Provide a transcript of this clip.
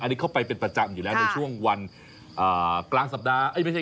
อันนี้เขาไปเป็นประจำอยู่แหละในช่วงวันกลางเดือน